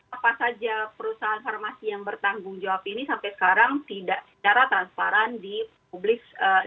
apa saja perusahaan farmasi yang bertanggung jawab ini sampai sekarang tidak secara transparan di publik